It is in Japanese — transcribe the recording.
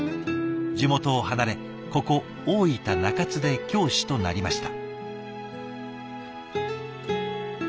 地元を離れここ大分・中津で教師となりました。